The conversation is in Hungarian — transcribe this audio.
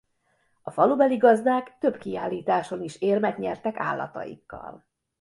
A falubeli gazdák több kiállításon is érmet nyertek állataikkal.